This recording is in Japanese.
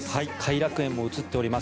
偕楽園も映っております。